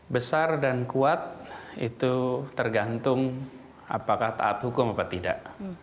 besar dan kuat itu tergantung apakah taat hukum atau tidak